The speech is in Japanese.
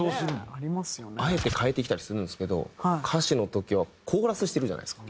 あえて変えてきたりするんですけど歌詞の時はコーラスしてるじゃないですか。